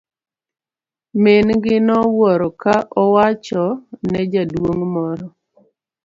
Min gi nowuoro ka owacho ne jaduong' moro.